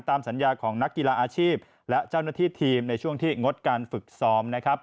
ตามสัญญาของนักกีฬาอาชีพและเจ้าหน้าที่ทีมในช่วงที่งดการฝึกซ้อมนะครับ